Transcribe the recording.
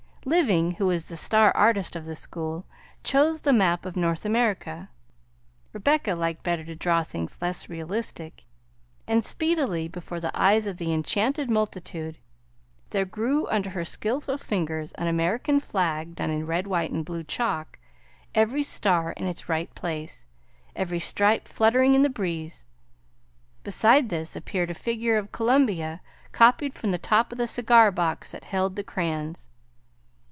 Living, who was the star artist of the school, chose the map of North America. Rebecca liked better to draw things less realistic, and speedily, before the eyes of the enchanted multitude, there grew under her skillful fingers an American flag done in red, white, and blue chalk, every star in its right place, every stripe fluttering in the breeze. Beside this appeared a figure of Columbia, copied from the top of the cigar box that held the crayons.